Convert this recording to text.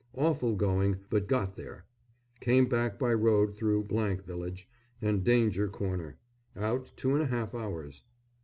Awful going, but got there. Came back by road through village and Danger Corner. Out two and a half hours.